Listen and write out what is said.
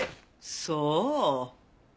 そう。